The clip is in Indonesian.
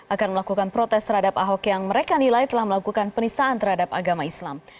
akan melakukan protes terhadap ahok yang mereka nilai telah melakukan penistaan terhadap agama islam